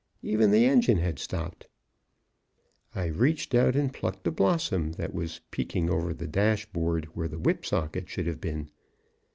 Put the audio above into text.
Even the engine had stopped. I reached out and plucked a blossom that was peeking over the dashboard where the whip socket should have been.